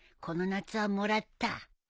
この夏はもらった。